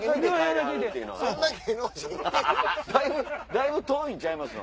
だいぶ遠いんちゃいますの？